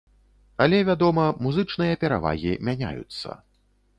Але, вядома, музычныя перавагі мяняюцца.